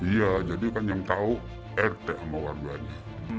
iya jadi kan yang tahu rt sama warganya